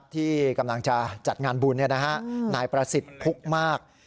ที่กำลังจะจัดงานบุญนายประสิทธิ์พุกมาก